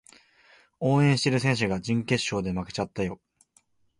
応援してる選手が準決勝で負けちゃったよ